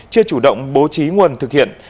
chưa chủ động bố trí nguồn thực hiện